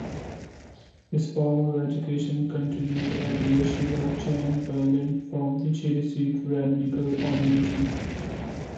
His formal education continued at Yeshiva Chaim Berlin from which he received rabbinical ordination.